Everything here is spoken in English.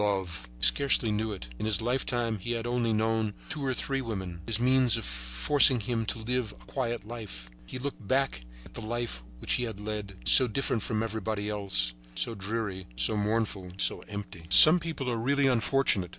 Love! He scarcely knew it. In his lifetime he had only known two or three women, his means forcing him to live a quiet life, and he looked back at the life which he had led, so different from everybody else, so dreary, so mournful, so empty. Some people are really unfortunate.